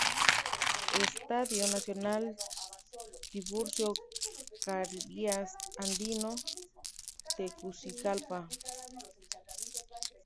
Estadio Nacional Tiburcio Carias Andino, Tegucigalpa.